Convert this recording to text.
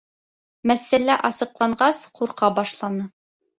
Мәсьәлә асыҡланғас, ҡурҡа башланы.